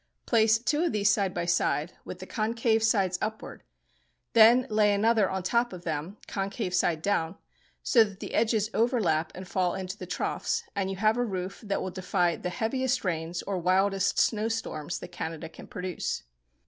Place two of these side by side, with the concave sides upward, and then lay another on top of them, concave side down, so that the edges overlap and fall into the troughs, and you have a roof that will defy the heaviest rains or wildest snow storms that Canada can produce.